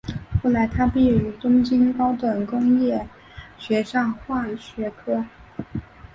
后来他毕业于东京高等工业学校化学科。